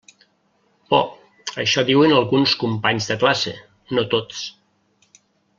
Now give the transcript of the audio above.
Bo, això diuen alguns companys de classe, no tots.